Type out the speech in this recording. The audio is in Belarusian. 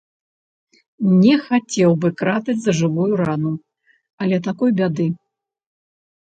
Не хацеў бы кратаць за жывую рану, але такой бяды.